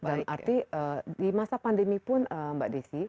dan arti di masa pandemi pun mbak desy kita terus berkarya istilahnya